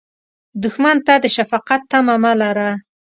دښمن ته د شفقت تمه مه لره